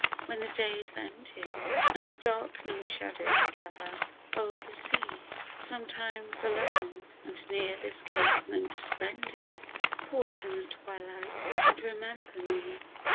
when the day is ending, And dark'ning shadows gather o'er the sea ; Sometimes alone, and near this casement bending, Pause in the twilight and remember me